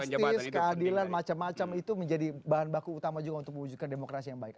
justis keadilan macam macam itu menjadi bahan baku utama juga untuk mewujudkan demokrasi yang baik